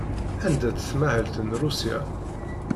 Anda-tt tmahelt n Rusya?